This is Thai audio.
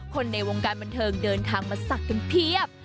ในวงการบันเทิงเดินทางมาศักดิ์กันเพียบ